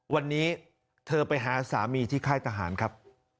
วันนี้เธอไปหาสามีที่ค่ายทหารครับ